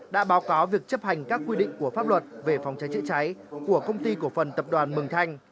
đã báo cáo việc chấp hành các quy định của pháp luật về phòng cháy chữa cháy của công ty cổ phần tập đoàn mường thanh